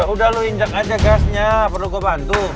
udah lo injak aja gasnya perlu gue bantu